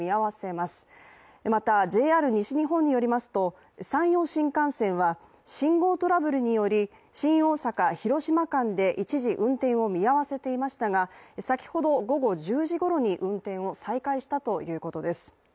またＪＲ西日本によりますと、山陽新幹線は信号トラブルにより新大阪−広島間で一時運転を見合わせていましたが先ほど午後１０時ごろに運転を再開したということです。